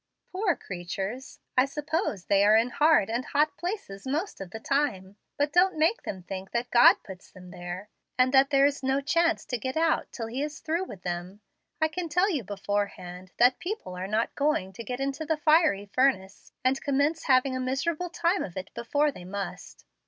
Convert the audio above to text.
Poor creatures! I suppose they are in hard and hot places most of the time, but don't make them think that God puts them there, and that there is no chance to get out till He is through with them. I can tell you beforehand, that people are not going to get into the fiery furnace and commence having a miserable time of it before they must.